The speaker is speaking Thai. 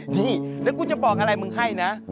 นี่แล้วกูจะบอกอะไรมึงให้นะ